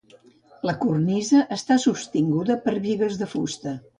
La cornisa està sostinguda per bigues de fusta.